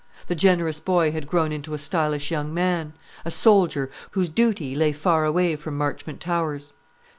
The generous boy had grown into a stylish young man, a soldier, whose duty lay far away from Marchmont Towers.